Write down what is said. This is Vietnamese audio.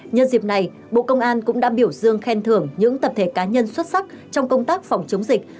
nhân dịp này bộ công an cũng đã biểu dương khen thưởng những tập thể cá nhân xuất sắc trong công tác phòng chống dịch